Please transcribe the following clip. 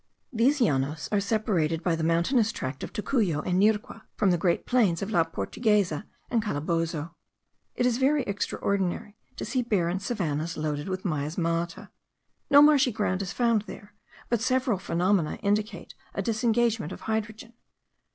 These Llanos are separated by the mountainous tract of Tocuyo and Nirgua from the great plains of La Portuguesa and Calabozo. It is very extraordinary to see barren savannahs loaded with miasmata. No marshy ground is found there, but several phenomena indicate a disengagement of hydrogen.